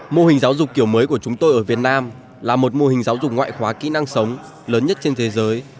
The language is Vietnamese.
mô hình giáo dục kiểu mới của chúng tôi ở việt nam là một mô hình giáo dục ngoại khóa kỹ năng sống lớn nhất trên thế giới